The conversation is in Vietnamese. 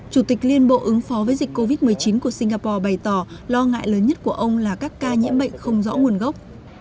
chủ tịch liên bộ ứng phó với dịch covid một mươi chín của singapore bày tỏ lo ngại lớn nhất của ông là các ca nhiễm bệnh không rõ nguồn gốc